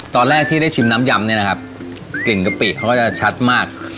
ตอนแรกที่ได้ชิมน้ำยำเนี่ยนะครับกลิ่นกะปิเขาก็จะชัดมาก